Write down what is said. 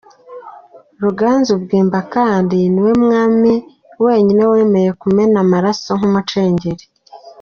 Ruganzu Bwimba kandi ni we mwami wenyine wemeye kumena amaraso nk’umucengeri.